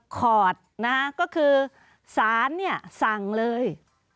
คอร์ดนะฮะก็คือสารเนี่ยสั่งเลย